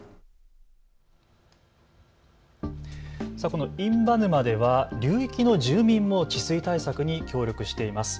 この印旛沼では流域の住民も治水対策に協力しています。